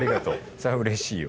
それはうれしいよ。